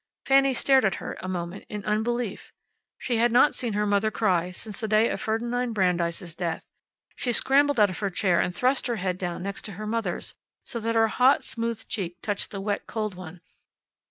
Fanny stared at her a moment in unbelief. She had not seen her mother cry since the day of Ferdinand Brandeis' death. She scrambled out of her chair and thrust her head down next her mother's, so that her hot, smooth cheek touched the wet, cold one.